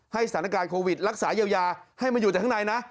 สถานการณ์โควิดรักษาเยียวยาให้มาอยู่แต่ข้างในนะ